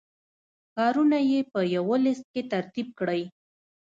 کارونه یې په یوه لست کې ترتیب کړئ.